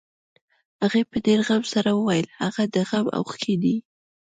هغې په ډېر غم سره وويل هغه د غم اوښکې دي.